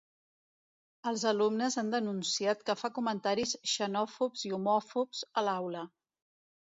Els alumnes han denunciat que fa comentaris xenòfobs i homòfobs a l’aula.